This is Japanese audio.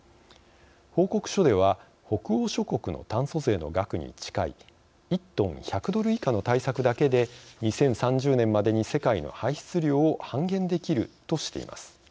報告書では北欧諸国の炭素税の額に近い１トン、１００ドル以下の対策だけで２０３０年までに世界の排出量を半減できるとしています。